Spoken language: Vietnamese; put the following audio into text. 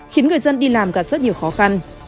khiến người dân đi làm gặp rất nhiều khó khăn